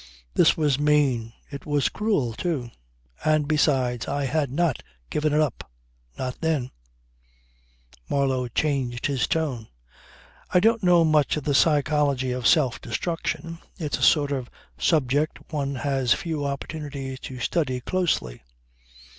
This was mean. It was cruel too. And besides I had not given it up not then." Marlow changed his tone. "I don't know much of the psychology of self destruction. It's a sort of subject one has few opportunities to study closely.